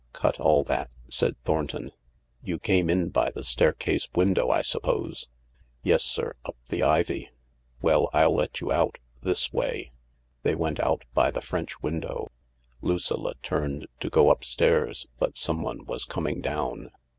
"Cut all that," said Thornton. "You came in by the staircase window, I suppose ?" "Yes, sir, up the ivy." " Well, I'll let you out— this way." They went out by the French window. Lucilla turned to go upstairs, but someone was coming down.